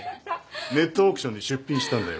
ネットオークションに出品したんだよ。